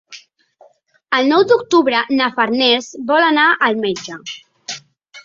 El nou d'octubre na Farners vol anar al metge.